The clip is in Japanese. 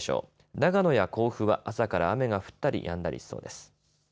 長野や甲府は朝から雨が降ったりやんだりしそうです。